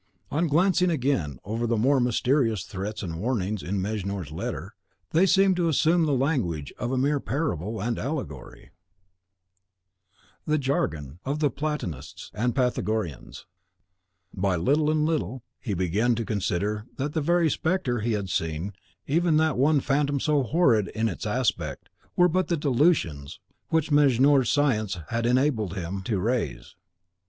On glancing again over the more mysterious threats and warnings in Mejnour's letter, they seemed to assume the language of mere parable and allegory, the jargon of the Platonists and Pythagoreans. By little and little, he began to consider that the very spectra he had seen even that one phantom so horrid in its aspect were but the delusions which Mejnour's science had enable him to raise.